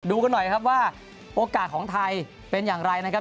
กันหน่อยครับว่าโอกาสของไทยเป็นอย่างไรนะครับ